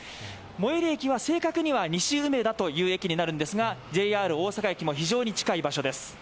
最寄り駅は正確には西梅田という駅ですが、ＪＲ大阪駅も非常に近い場所です。